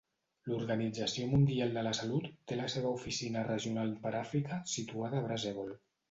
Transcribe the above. L'Organització Mundial de la Salut té la seva oficina regional per Àfrica situada a Brazzaville.